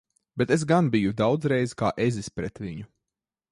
Bet es gan biju daudzreiz kā ezis pret viņu!